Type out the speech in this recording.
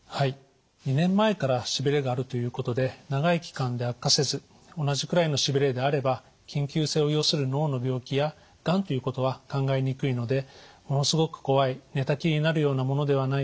２年前からしびれがあるということで長い期間で悪化せず同じくらいのしびれであれば緊急性を要する脳の病気やがんということは考えにくいのでものすごく怖い寝たきりになるようなものではないと思います。